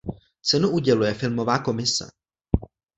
Cenu uděluje filmová komise.